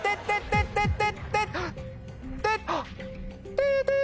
テテ。